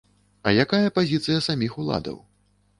А якая пазіцыя саміх уладаў?